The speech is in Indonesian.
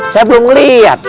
saya belum liat